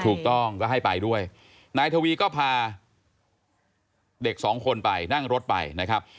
ถูกต้องก็ให้ไปด้วยนายทวีก็พาเด็กสองคนไปนั่งรถไปนะครับ